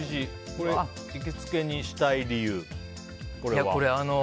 これ、行きつけにしたい理由は？